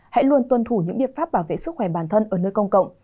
hãy luôn tuân thủ những biện pháp bảo vệ sức khỏe bản thân ở nơi công cộng